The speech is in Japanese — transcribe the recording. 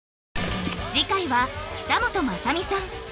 次回は久本雅美さん